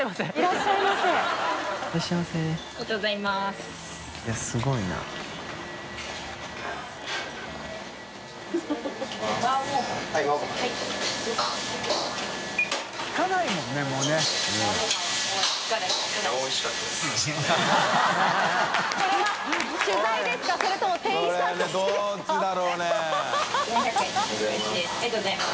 兇い泙后ありがとうございます。